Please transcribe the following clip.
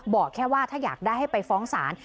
บอกแค่ว่าถ้าอยากได้ให้ไปฟ้องศาล